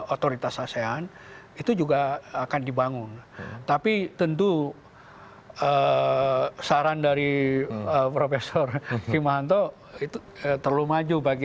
otoritas asean itu juga akan dibangun tapi tentu saran dari profesor kimmanto itu terlalu maju bagi